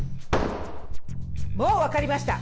もう分かりました。